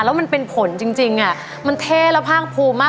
แล้วมันเป็นผลจริงอ่ะมันเท่แล้วภาคภูมิมาก